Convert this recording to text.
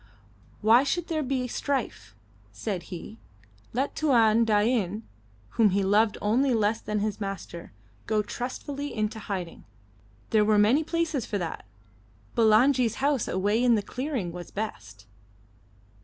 Why should there be strife? said he. Let Tuan Dain, whom he loved only less than his master, go trustfully into hiding. There were many places for that. Bulangi's house away in the clearing was best.